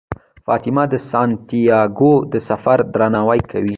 فاطمه د سانتیاګو د سفر درناوی کوي.